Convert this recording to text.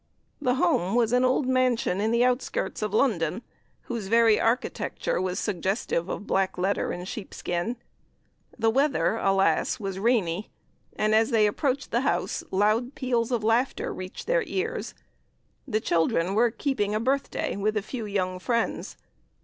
The "home" was an old mansion in the outskirts of London, whose very architecture was suggestive of black letter and sheep skin. The weather, alas! was rainy, and, as they approached the house, loud peals of laughter reached their ears. The children were keeping a birthday with a few young friends.